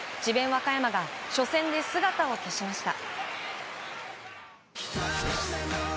和歌山が初戦で姿を消しました。